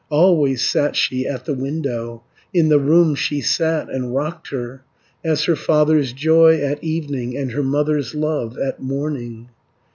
Always sat she at the window, In the room she sat, and rocked her, As her father's joy at evening, And her mother's love at morning.